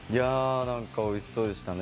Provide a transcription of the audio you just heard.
なんか、おいしそうでしたね